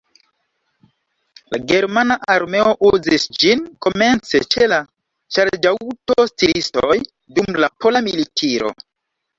La germana armeo uzis ĝin komence ĉe la ŝarĝaŭto-stiristoj dum la pola militiro.